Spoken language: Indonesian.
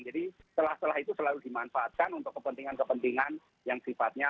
jadi setelah setelah itu selalu dimanfaatkan untuk kepentingan kepentingan yang sifatnya